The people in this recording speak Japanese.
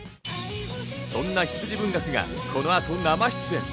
そんな羊文学がこの後生出演。